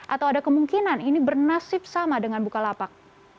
atau ada kemungkinan ini bernasib sama dengan bukalapak